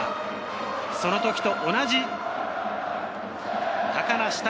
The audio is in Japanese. その時と同じ高梨対